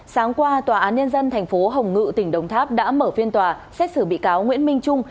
sáng qua tòa án nhân dân tp hcm đã mở phiên tòa xét xử bị cáo nguyễn minh trung